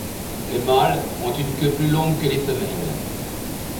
Les mâles ont une queue plus longue que les femelles.